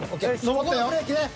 ここブレーキね。